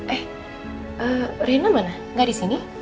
eh rena mana gak di sini